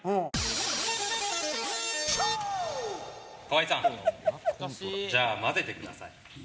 河井さんじゃあ混ぜてください。